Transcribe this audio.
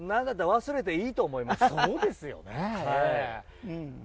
忘れていいと思います。